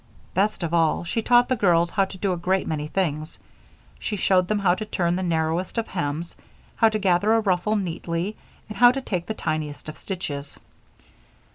Best of all, she taught the girls how to do a great many things. She showed them how to turn the narrowest of hems, how to gather a ruffle neatly, and how to take the tiniest of stitches.